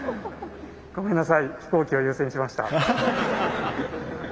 ごめんなさい飛行機を優先しました。